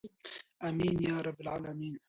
امین یا رب العالمین.